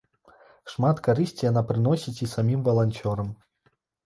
Шмат карысці яна прыносіць і самім валанцёрам.